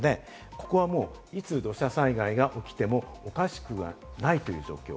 ここはもういつ土砂災害が起きてもおかしくはないという状況。